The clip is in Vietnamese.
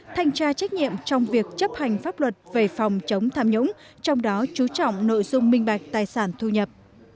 thanh tra trách nhiệm trong việc chấp hành pháp luật về phòng chống tham nhũng trong đó chú trọng nội dung minh bạch tài sản thu nhập